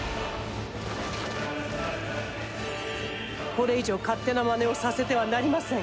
これ以上勝手なまねをさせてはなりません。